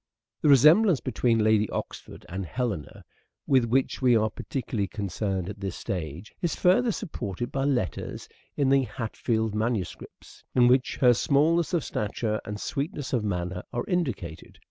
The resemblance between Lady Oxford and Helena Helena, with which we are particularly concerned at this stage is further supported by letters in the Hatfield manu scripts, in which her smallness of stature and sweetness of manner are indicated.